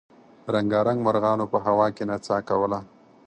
رنګارنګ مرغانو په هوا کې نڅا کوله.